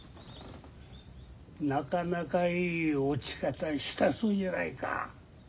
なかなかいい落ち方したそうじゃないか。